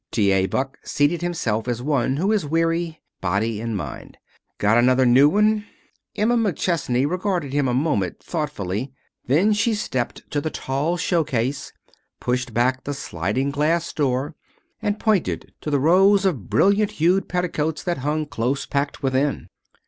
T. A. Buck seated himself as one who is weary, body and mind. "Got another new one?" Emma McChesney regarded him a moment thoughtfully. Then she stepped to the tall show case, pushed back the sliding glass door, and pointed to the rows of brilliant hued petticoats that hung close packed within.